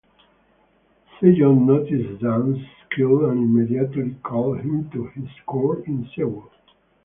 Sejong noticed Jang's skill and immediately called him to his court in Seoul.